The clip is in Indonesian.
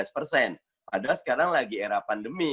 padahal sekarang lagi era pandemi